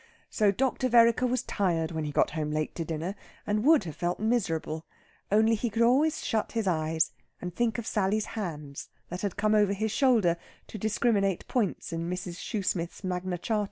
So Dr. Vereker was tired when he got home late to dinner, and would have felt miserable, only he could always shut his eyes and think of Sally's hands that had come over his shoulder to discriminate points in Mrs. Shoosmith's magna charta.